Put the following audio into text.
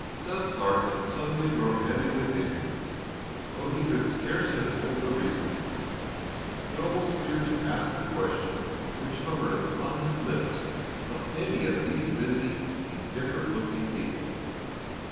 Seth's heart had suddenly grown heavy within him, though he could scarce have told the reason. He almost feared to ask the question which hovered upon his lips of any of these busy, indifferent looking people.